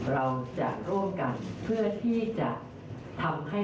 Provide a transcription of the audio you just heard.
เราจะร่วมกันเพื่อที่จะทำให้